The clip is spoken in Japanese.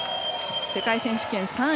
世界選手権３位。